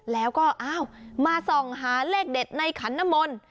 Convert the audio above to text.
แล้วก็อ้าวมาส่องหาเลขเด็ดในขันนมล